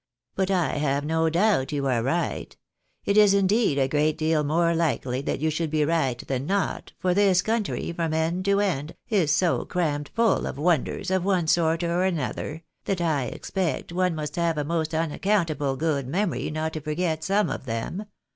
" But I have no doubt you are right ; it is indeed a great deal more likely that you should be right than not, for this country, from end to end, is so crammed fuU of wonders, of one sort or another, that I expect one must have a most unaccountable good memory not to forget some of them.